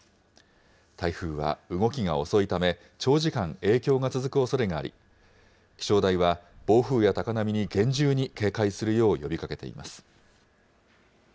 台風は動きが遅いため、長時間、影響が続くおそれがあり、気象台は暴風や高波に厳重に警戒するよう呼びかけています。